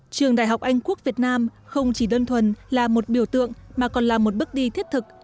trường đại học anh quốc việt nam không chỉ đơn thuần là một biểu tượng mà còn là một bước đi thiết thực